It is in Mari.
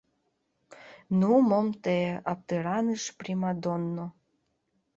— Ну мом те, — аптыраныш примадонно.